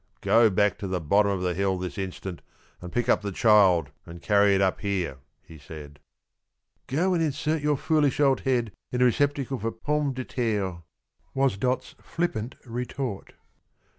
"Go back to the bottom of the hill this instant, and pick up the child and carry it up here," he said. "Go and insert your foolish old head in a receptacle for pommes de terre," was Dot's flippant retort.